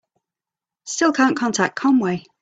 Still can't contact Conway.